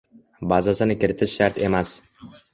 Bazasini kiritish shart emas